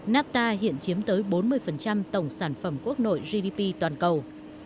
napta hiện chiếm tới bốn mươi tổng sản phẩm quốc nội gdp toàn cầu